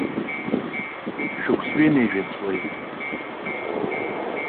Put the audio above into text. Шықәс ҩынҩажәа ҵуеит.